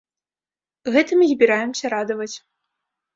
Гэтым і збіраемся радаваць.